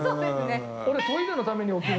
俺。